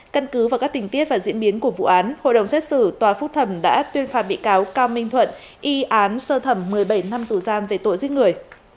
căn cứ vào các tình tiết và diễn biến của vụ án hội đồng xét xử tòa phúc thẩm đã tuyên phạt bị cáo cao minh thuận y án sơ thẩm một mươi bảy năm tù giam về tội giết người